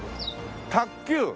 卓球？